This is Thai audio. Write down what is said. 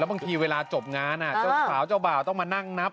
บางทีเวลาจบงานเจ้าสาวเจ้าบ่าวต้องมานั่งนับ